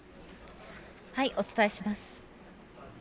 お伝えします。